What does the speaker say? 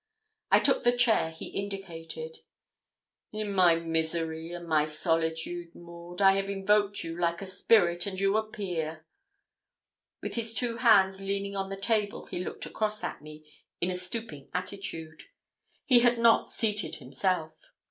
I took the chair he indicated. 'In my misery and my solitude, Maud, I have invoked you like a spirit, and you appear.' With his two hands leaning on the table, he looked across at me, in a stooping attitude; he had not seated himself.